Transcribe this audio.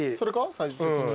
サイズ的に。